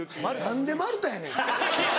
何で丸田やねん。